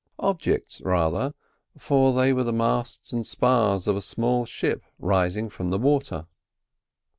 Objects rather, for they were the masts and spars of a small ship rising from the water.